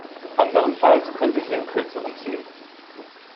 Anderenfalls könnte sie den Kürzeren ziehen.